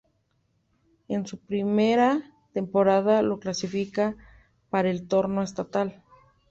En su primera temporada lo clasifica para el torneo estatal.